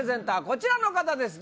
こちらの方です